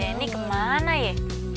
si benny kemana ya